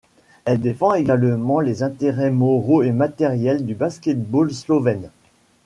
Elle défend également les intérêts moraux et matériels du basket-ball slovène.